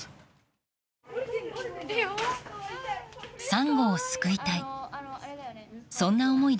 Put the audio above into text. サンゴを救いたい。